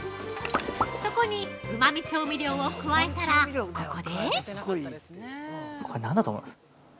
そこにうまみ調味料を加えたら、ここで◆これ何だと思います？